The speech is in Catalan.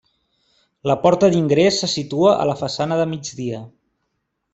La porta d'ingrés se situa a la façana de migdia.